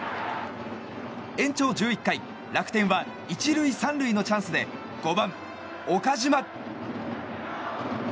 延長１１回、楽天は１塁３塁のチャンスで５番、岡島。